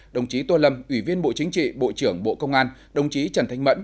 đồng chí tô lâm ủy viên bộ chính trị bộ trưởng bộ công an đồng chí trần thanh mẫn